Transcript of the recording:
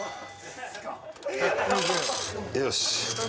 よし。